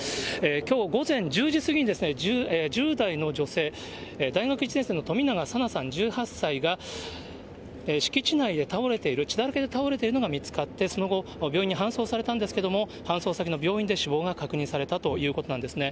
きょう午前１０時過ぎに、１０代の女性、大学１年生のとみながさなさん１８歳が、敷地内で倒れている、血だらけで倒れているのが見つかって、その後、病院に搬送されたんですけれども、搬送先の病院で死亡が確認されたということなんですね。